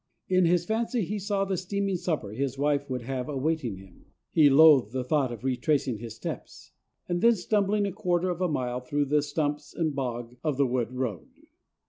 In his fancy he saw the steaming supper his wife would have awaiting him. He loathed the thought of retracing his steps, and then stumbling a quarter of a mile through the stumps and bog of the wood road.